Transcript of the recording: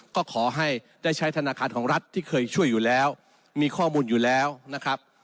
ก็ขอให้ได้ใช้ธนาคารของรัฐที่เคยช่วยอยู่แล้วมีข้อมูลอยู่แล้วนะครับ